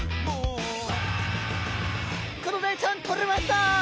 クロダイちゃんとれました！